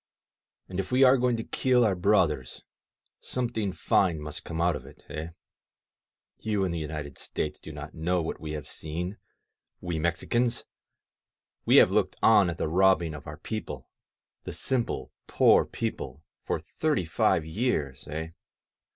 And, if we are going to kill our brothers, something fine must come out of it, eh? You in the United States do not know what we have seen, we Mexicans! We have looked on at the robbing of our people, the simple, poor people, for thirty five years, eh?